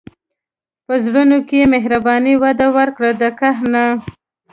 په زړونو کې مهرباني وده ورکوي، د قهر نه.